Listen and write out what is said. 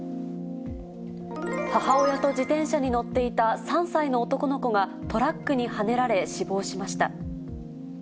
母親と自転車に乗っていた３歳の男の子がトラックにはねられ、死亡しました。